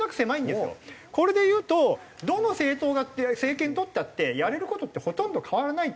これで言うとどの政党が政権とったってやれる事ってほとんど変わらないっていうのが。